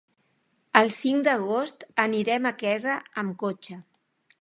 El cinc d'agost anirem a Quesa amb cotxe.